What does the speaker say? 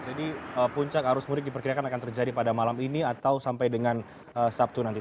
jadi puncak arus mudik diperkirakan akan terjadi pada malam ini atau sampai dengan sabtu nanti